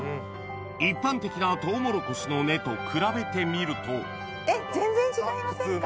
一般的なとうもろこしの根と比べてみるとえっ全然違いませんか？